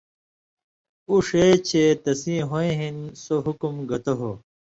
اُو ݜے چے تسی ہویں ہِن سُو حُکُم گتہ ہو،